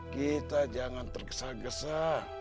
kita jangan terkesa kesa